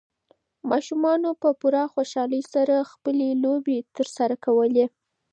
ماشومانو په پوره خوشالۍ سره خپلې لوبې ترسره کولې.